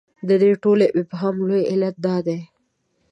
د دې ټول ابهام لوی علت دا دی.